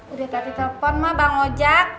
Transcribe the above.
udah tadi telpon mah bang ojak